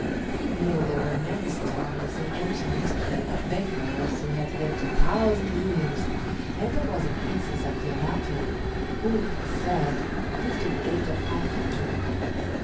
He knew there were many stories in ancient history of emperors who had lived a thousand years, and there was a Princess of Yamato, who it was said, lived to the age of five hundred.